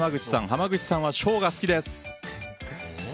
濱口さんは小が好きです。